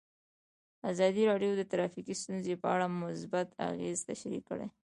ازادي راډیو د ټرافیکي ستونزې په اړه مثبت اغېزې تشریح کړي.